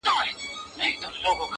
• د خاورين بنده د كړو گناهونو ,